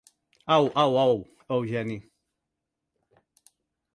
Au, Au, Au, Eugeni.